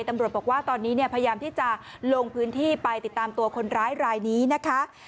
ตำรวจบอกว่าตอนนี้เนี่ยพยายามที่จะลงพื้นที่ไปติดตามตัวคนร้ายรายนี้นะคะ